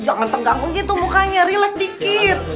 jangan tenggang begitu mukanya relax dikit